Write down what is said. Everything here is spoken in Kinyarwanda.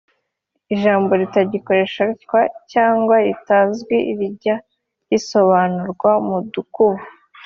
ijambo ritagikoreshwa cg ritazwi rizajya risobanurwa mudukubo